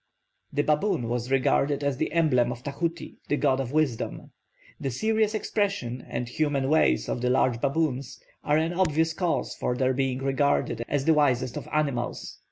The baboon was regarded as the emblem of Tahuti, the god of wisdom; the serious expression and human ways of the large baboons are an obvious cause for their being regarded as the wisest of animals.